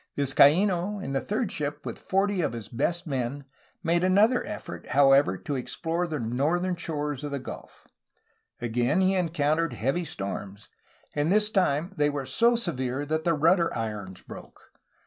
Vizcaino in the third ship, with forty of his best men, made another 128 A HISTORY OF CALIFORNIA effort, however, to explore the northern shores of the gulf. Again he encountered heavy storms, and this time they were so severe that the rudder irons broke.